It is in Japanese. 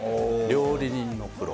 料理人のプロ。